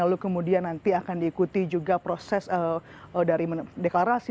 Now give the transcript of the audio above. lalu kemudian nanti akan diikuti juga proses dari deklarasi